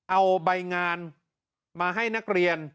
เอาใบงานมาให้นักเรียน